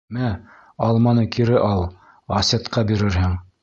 — Мә, алманы кире ал, Асеткә бирерһең.